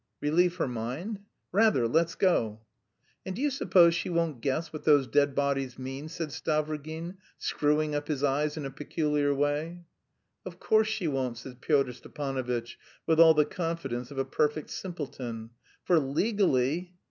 "Relieve her mind?" "Rather! Let's go." "And do you suppose she won't guess what those dead bodies mean?" said Stavrogin, screwing up his eyes in a peculiar way. "Of course she won't," said Pyotr Stepanovitch with all the confidence of a perfect simpleton, "for legally...